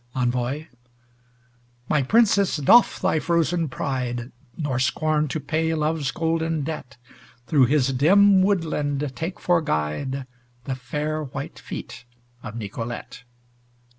ENVOY. My Princess, doff thy frozen pride, Nor scorn to pay Love's golden debt, Through his dim woodland take for guide The fair white feet of Nicolete.